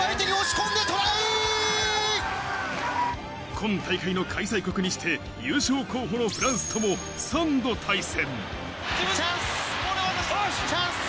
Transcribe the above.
本大会の開催国にして、優勝候補のフランスとも３度対戦。